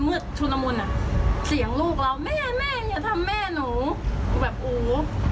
แม่อย่าทำแม่หนูแบบอู๋มันเป็นอะไรที่เด็กไม่ควรจะโดน